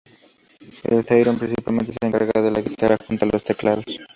En Therion, principalmente, se encarga de la guitarra, junto a los teclados.